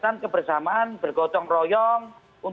dan menurut saya kita harus menjaga kegagalan